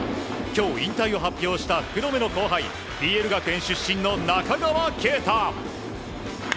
今日引退を発表した福留の後輩ＰＬ学園出身の中川圭太。